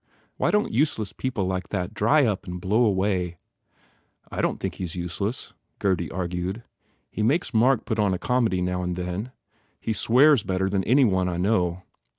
Why don t useless people like that dry up and blow away?" "I don t think he s useless," Gurdy argued, "He makes Mark put on a comedy now and then. He swears better than any one I know.